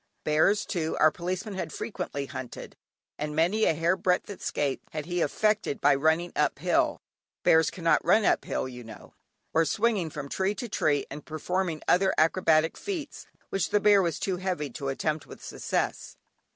Bears, too, our Policeman had frequently hunted, and many a hair breadth escape had he effected by running up hill (bears cannot run up hill, you know), or swinging from tree to tree and performing other acrobatic feats which the bear was too heavy to attempt with success.